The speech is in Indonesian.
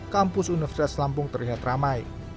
kampus universitas lampung terlihat ramai